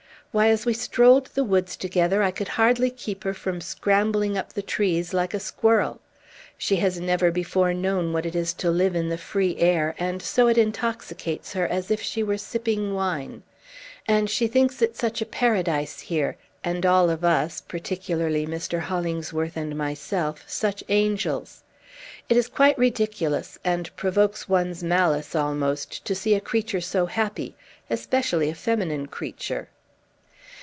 Why, as we strolled the woods together, I could hardly keep her from scrambling up the trees, like a squirrel. She has never before known what it is to live in the free air, and so it intoxicates her as if she were sipping wine. And she thinks it such a paradise here, and all of us, particularly Mr. Hollingsworth and myself, such angels! It is quite ridiculous, and provokes one's malice almost, to see a creature so happy, especially a feminine creature."